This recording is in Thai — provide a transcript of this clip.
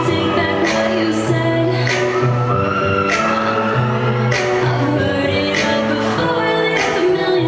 จะกรื่องขึ้นเครื่องทั้งนี้